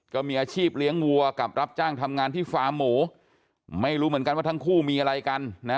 ก็มีอาชีพเลี้ยงวัวกับรับจ้างทำงานที่ฟาร์มหมูไม่รู้เหมือนกันว่าทั้งคู่มีอะไรกันนะ